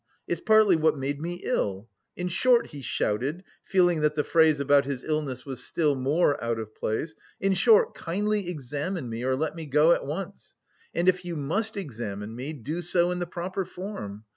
It's partly what made me ill. In short," he shouted, feeling that the phrase about his illness was still more out of place, "in short, kindly examine me or let me go, at once. And if you must examine me, do so in the proper form!